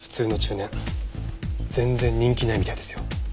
普通の中年全然人気ないみたいですよ。